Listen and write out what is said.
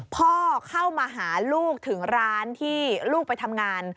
พ่อเข้ามาหาลูกถึงร้านที่ลูกไปทำงาน